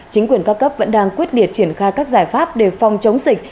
chính quyền ca cấp vẫn đang quyết liệt triển khai các giải pháp để phòng chống dịch